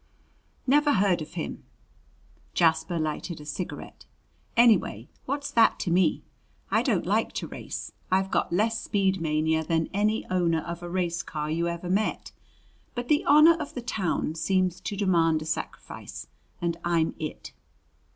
"Never heard of him." Jasper lighted a cigarette. "Anyhow, what's that to me? I don't like to race. I've got less speed mania than any owner of a race car you ever met. But the honor of the town seems to demand a sacrifice, and I'm it."